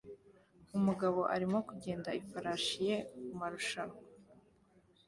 Umugabo arimo kugenda ifarashi ye mumarushanwa